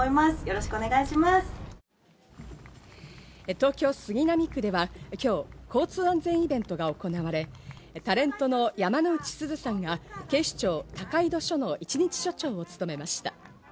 東京・杉並区では、今日、交通安全イベントが行われ、タレントの山之内すずさんが警視庁・高井戸署の一日所長を務めました。